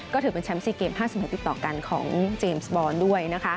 ก็ถือเป็นแชมป์๔เกม๕๑ติดต่อกันของเจมส์บอลด้วยนะคะ